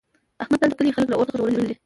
احمد تل د کلي خلک له اور څخه ژغورلي دي.